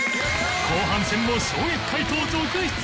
後半戦も衝撃回答続出！